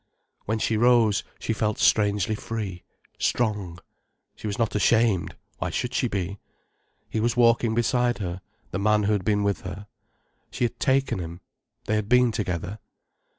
When she rose, she felt strangely free, strong. She was not ashamed,—why should she be? He was walking beside her, the man who had been with her. She had taken him, they had been together.